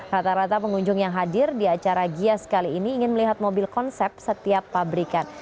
rata rata pengunjung yang hadir di acara gias kali ini ingin melihat mobil konsep setiap pabrikan